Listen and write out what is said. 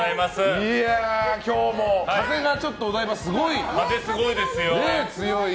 今日も風がちょっとお台場、すごい強い。